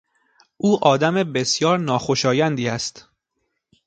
او آدم بسیار ناخوشایندی است.